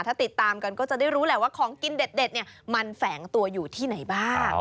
ถ้าติดตามกันก็จะได้รู้แหละว่าของกินเด็ดเนี่ยมันแฝงตัวอยู่ที่ไหนบ้าง